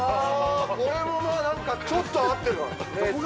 これもなんかちょっと合ってんな